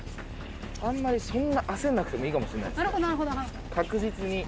あんまりそんな焦んなくてもいいかもしれないですね確実に。